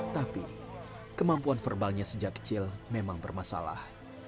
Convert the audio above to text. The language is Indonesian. tapi kemampuan verbalnya sejak kecil memang bermasalah